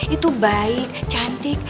itu baik cantik